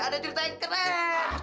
ada cerita yang keren